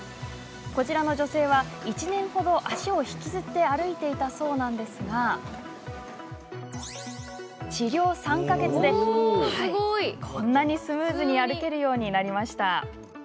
こちらの女性は１年ほど足を引きずって歩いていたそうですが治療３か月でこんなにスムーズに歩けるようになりました。